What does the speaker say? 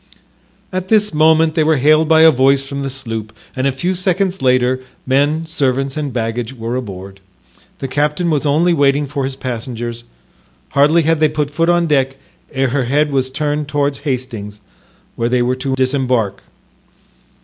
At this moment they were hailed by a voice from the sloop and a few seconds later men, servants and baggage were aboard. The captain was only waiting for his passengers; hardly had they put foot on deck ere her head was turned towards Hastings, where they were to disembark.